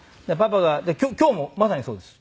パパが今日もまさにそうです。